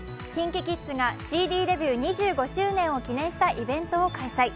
ＫｉｎＫｉＫｉｄｓがＣＤデビュー２５周年を記念したイベントを開催。